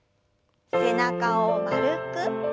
背中を丸く。